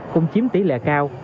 cũng chiếm tỷ lệ cao